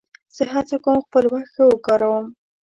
زه هڅه کوم خپل وخت ښه وکاروم.